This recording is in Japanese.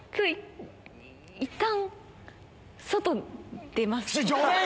いったん外出ます？